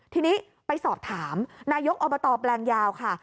ทีนี้ไปสอบถามนายกอบตแปลงยาวค่ะ